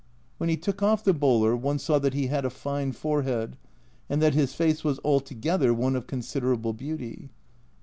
When he took off the bowler, one saw that he had a fine forehead, and that his face was altogether one of considerable beauty.